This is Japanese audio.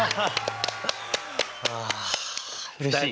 あうれしい！